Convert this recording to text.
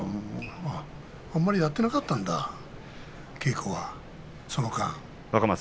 あんまり稽古をやってなかったんだ、その間。